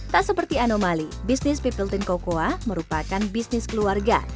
tak seperti anomali bisnis pipil tin cocoa merupakan bisnis keluarga